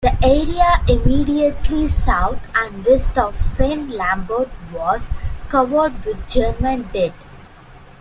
The area immediately south and west of St. Lambert was covered with German dead.